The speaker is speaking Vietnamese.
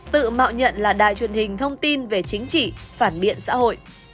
tự mạo nhận là đài truyền hình thông tin về chính trị phản biện xã hội